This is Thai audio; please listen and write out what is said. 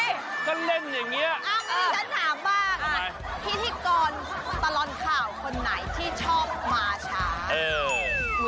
นี่ชั้นถามบ้างพิธีกรปลอดค่าของคนไหนที่ชอบมาช้าแล้ว